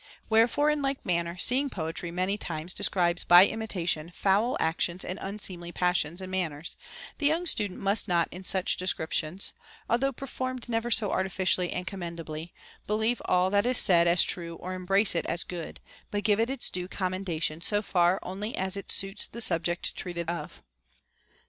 Wherefore, in like manner, seeing poetry many times de scribes by imitation foul actions and unseemly passions and manners, the young student must not in such descrip tions (although performed never so artificially and com mendably) believe all that is said as true or embrace it as good, but give its due commendation so far only as it suits the subject treated of.